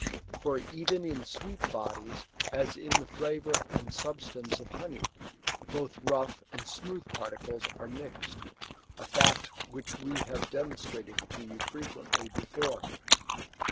For even in sweet bodies, as in the fiavour and substance of honey, both rougJi and smooth particles are mixed ; a fact which we have de monstrated to you frequently before.